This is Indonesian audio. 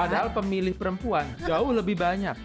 padahal pemilih perempuan jauh lebih banyak